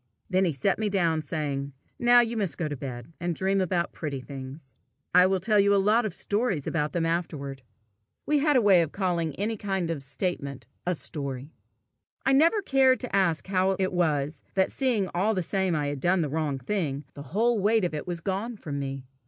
Then he set me down, saying, "Now you must go to bed, and dream about the pretty things. I will tell you a lot of stories about them afterward." We had a way of calling any kind of statement a story. I never cared to ask how it was that, seeing all the same I had done the wrong thing, the whole weight of it was gone from me.